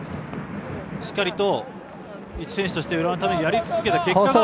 しっかりと一選手として浦和のためにやり続けた結果が。